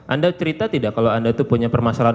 anda cerita tidak kalau anda itu punya permasalahan